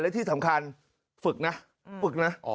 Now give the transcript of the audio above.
และที่สำคัญฝึกนะฝึกนะ